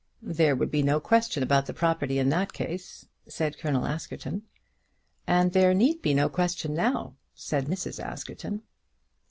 "There would be no question about the property in that case," said the Colonel. "And there need be no question now," said Mrs. Askerton.